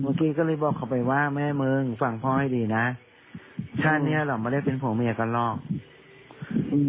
พี่ก็เลยบอกเขาไปว่าแม่มึงฟังพ่อให้ดีนะชาติเนี้ยเราไม่ได้เป็นผัวเมียกันหรอกอืม